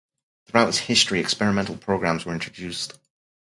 Throughout its history experimental programmes were introduced.